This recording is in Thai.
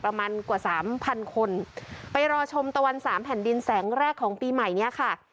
ประมาณกว่าสามพันคนไปรอชมตะวันสามแผ่นดินแสงแรกของปีใหม่เนี้ยค่ะ